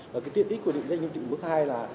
và cái tiện ích của định danh mục mức hai là